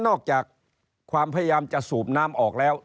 นอกจากความพยายามจะสูบน้ำออกแล้ว